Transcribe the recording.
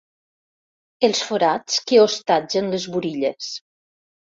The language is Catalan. Els forats que hostatgen les burilles.